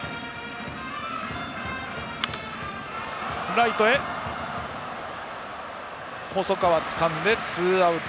ライト、細川がつかんでツーアウト。